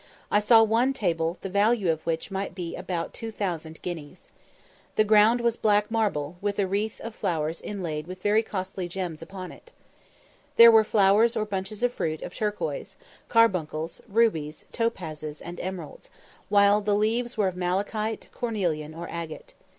I saw one table the value of which might be about 2000 guineas. The ground was black marble, with a wreath of flowers inlaid with very costly gems upon it. There were flowers or bunches of fruit, of turquoise, carbuncles, rubies, topazes, and emeralds, while the leaves were of malachite, cornelian, or agate.